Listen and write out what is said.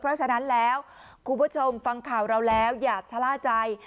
เพราะฉะนั้นแล้วคุณผู้ชมฟังข่าวเราแล้วอย่าชะล่าใจ